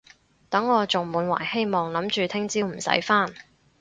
等我仲滿懷希望諗住聽朝唔使返